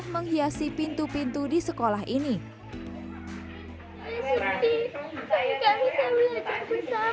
menghiasi pintu pintu di sekolah ini hai berarti saya nggak bisa belajar bersama saya